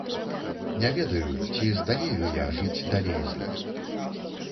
Не ведаю, ці здалею я жыць далей з ім.